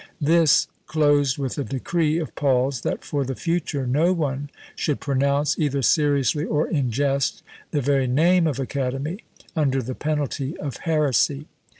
This closed with a decree of Paul's, that for the future no one should pronounce, either seriously or in jest, the very name of academy, under the penalty of heresy!